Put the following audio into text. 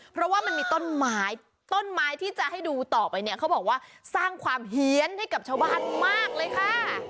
เพราะว่ามันมีต้นไม้ต้นไม้ที่จะให้ดูต่อไปเนี่ยเขาบอกว่าสร้างความเฮียนให้กับชาวบ้านมากเลยค่ะ